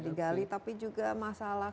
digali tapi juga masalah